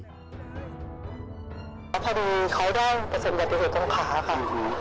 พอดีเขาได้ประสบกับประโยชน์ตรงขาค่ะ